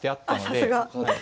あさすが。